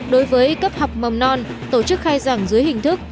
đối với cấp học mầm non tổ chức khai giảng dưới hình thức